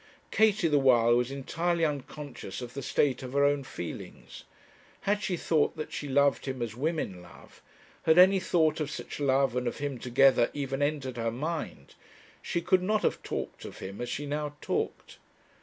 Katie the while was entirely unconscious of the state of her own feelings. Had she thought that she loved him as women love, had any thought of such love and of him together even entered her mind, she could not have talked of him as she now talked.